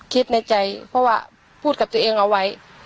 คิดในใจเพราะว่าพูดกับตัวเองเอาไว้